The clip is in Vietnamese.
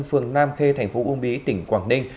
phường nam khê tp uông bí tỉnh quảng ninh